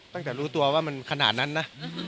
ตั้งแต่รู้ตัวว่ามันขนาดนั้นนะ